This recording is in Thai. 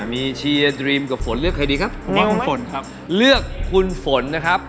มีเชียร์ดรีมกับฝนเลือกใครดีครับคุณพ่อคุณฝนครับเลือกคุณฝนนะครับ